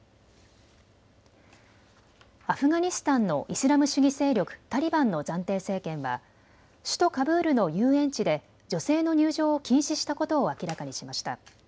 アフガニスタンのイスラム主義勢力、タリバンの暫定政権は首都カブールの遊園地で女性の入場を禁止したことを明らかにしました。